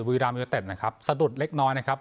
บุยรัมยุเวอร์เต็ดนะครับสะดุดเล็กน้อยนะครับ